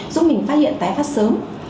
giúp mình phát hiện tái phát sớm